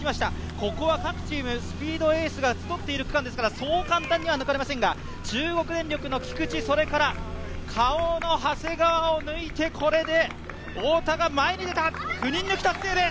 ここは各チーム、スピードエースが集っている区間ですからそう簡単には抜かれませんが、中国電力の菊地それからＫａｏの長谷川を抜いて、これで太田が前に出た、９人抜き達成です。